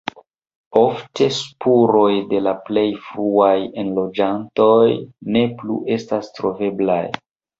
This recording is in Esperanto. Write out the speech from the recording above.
Ofte spuroj de la plej fruaj enloĝantoj ne plu estas troveblaj.